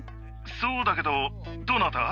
そうだけど、どなた？